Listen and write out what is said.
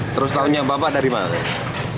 terus tahunya bapak dari mana